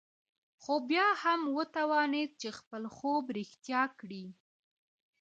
خو بيا هم وتوانېد چې خپل خوب رښتيا کړي.